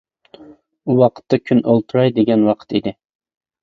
ئۇ ۋاقىتتا كۈن ئولتۇراي دېگەن ۋاقىت ئىدى.